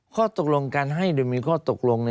ข้อตกลงการให้โดยมีข้อตกลง